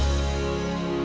semoga kamu selalu sembuh